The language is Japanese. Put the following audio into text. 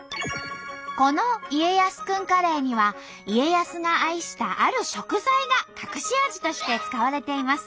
この家康くんカレーには家康が愛したある食材が隠し味として使われています。